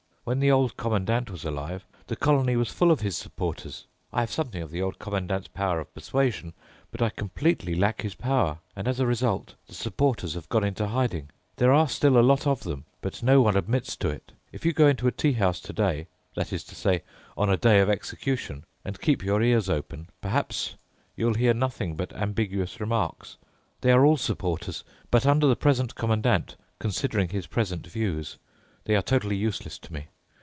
When the Old Commandant was alive, the colony was full of his supporters. I have something of the Old Commandant's power of persuasion, but I completely lack his power, and as a result the supporters have gone into hiding. There are still a lot of them, but no one admits to it. If you go into a tea house today—that is to say, on a day of execution—and keep your ears open, perhaps you'll hear nothing but ambiguous remarks. They are all supporters, but under the present Commandant, considering his present views, they are totally useless to me.